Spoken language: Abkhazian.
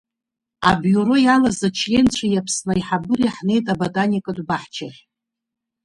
Абиуро иалаз ачленцәеи Аԥсны аиҳабыреи ҳнеит аботаникатә баҳчахь.